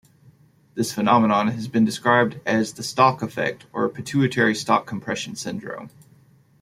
This phenomenon has been described as the stalk effect or pituitary stalk compression syndrome.